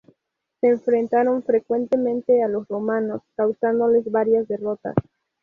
Se enfrentaron frecuentemente a los romanos, causándoles varias derrotas.